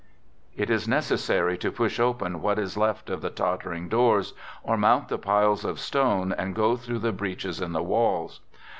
... It is necessary to push open what is left of the tottering doors, or mount the piles of stone and go through the breaches in the walls.